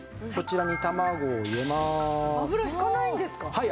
はい。